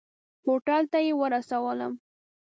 هوټل ته یې ورسولم.